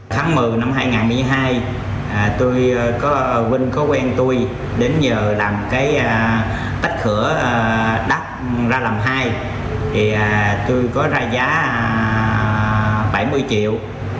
tháng một mươi năm hai nghìn một mươi hai vinh có quen tôi đến giờ làm tách thủa đất ra làm hai tôi có ra giá bảy mươi triệu